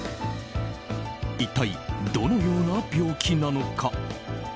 一体、どのような病気なのか？